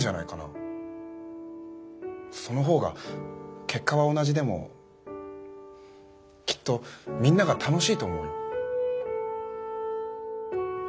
そのほうが結果は同じでもきっとみんなが楽しいと思うよ。